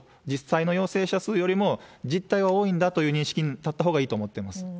実際の陽性者数よりも、実態は多いんだという認識に立ったほうがいいと思ってます。